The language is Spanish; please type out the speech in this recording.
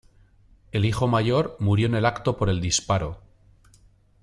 El hijo mayor murió en el acto por el disparo.